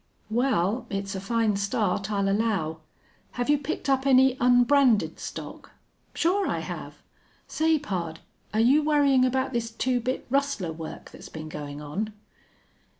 "Well, it's a fine start, I'll allow. Have you picked up any unbranded stock?" "Sure I have. Say, pard, are you worrying about this two bit rustler work that's been going on?"